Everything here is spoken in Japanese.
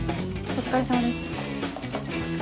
お疲れさまです。